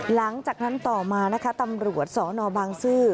หลังจากนั้นต่อมานะคะตำรวจสนบางซื่อ